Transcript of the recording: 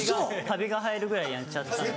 カビが生えるぐらいやっちゃったんです。